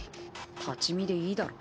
立ち見でいいだろ。